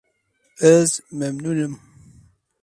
Ez memnûn im.